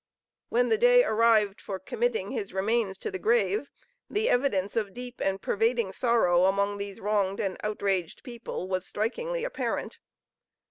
When the day arrived for committing his remains to the grave the evidence of deep and pervading sorrow among these wronged and outraged people was strikingly apparent.